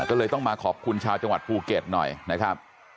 ก็เลยต้องมาขอบคุณชาวจังหวัดภูเก็ตหน่อยนะครับ